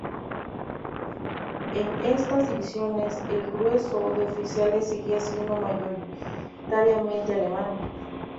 En estas divisiones el grueso de oficiales seguía siendo mayoritariamente alemán.